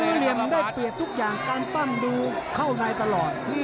เหลี่ยมได้เปรียบทุกอย่างการปั้งดูเข้าในตลอด